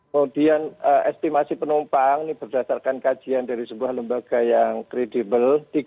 kemudian estimasi penumpang ini berdasarkan kajian dari sebuah lembaga yang kredibel